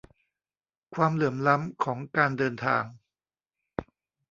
ความเหลื่อมล้ำ ของการเดินทาง